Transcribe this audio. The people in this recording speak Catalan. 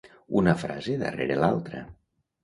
Una frase darrere l'altra.